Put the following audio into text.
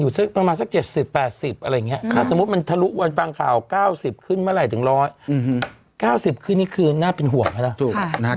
๙๐ขึ้นเมื่อไหร่ถึง๑๐๐๙๐คืนนี้คือน่าเป็นห่วงแล้ว